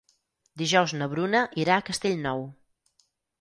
Dijous na Bruna irà a Castellnou.